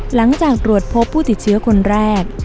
หลังจากตรวจพบผู้ติดเชื้อคนแรก